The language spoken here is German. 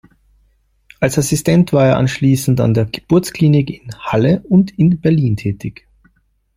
Als Assistent war er anschließend an der Geburtsklinik in Halle und in Berlin tätig.